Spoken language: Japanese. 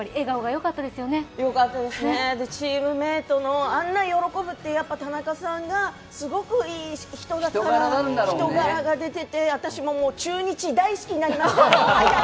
よかったですね、チームメイトもあんなに喜ぶって田中さんが、すごくいい人だから人柄が出てて私ももう、中日大好きになりました